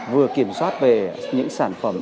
vừa kiểm soát về những sản phẩm